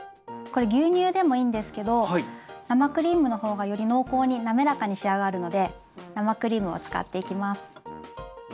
これ牛乳でもいいんですけど生クリームの方がより濃厚に滑らかに仕上がるので生クリームを使っていきます。